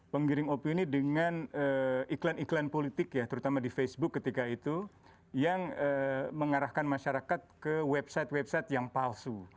penggiring opini dengan iklan iklan politik ya terutama di facebook ketika itu yang mengarahkan masyarakat ke website website yang palsu